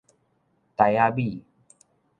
秮仔米